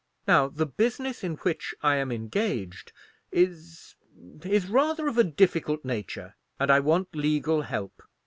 "Now the business in which I am engaged is—is rather of a difficult nature, and I want legal help.